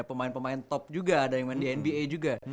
pemain pemain top juga ada yang main di nba juga